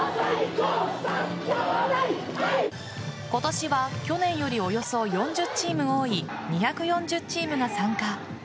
今年は去年より、およそ４０チーム多い２４０チームが参加。